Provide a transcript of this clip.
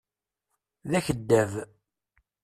D akeddab.